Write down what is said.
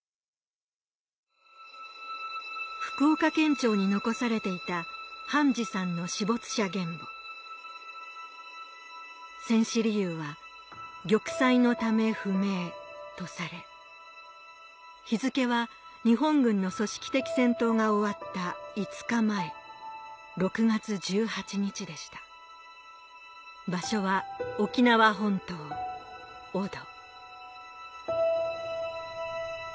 福岡県庁に残されていた半次さんの戦死理由は「玉砕ノタメ不明」とされ日付は日本軍の組織的戦闘が終わった５日前６月１８日でした場所は沖縄本島小渡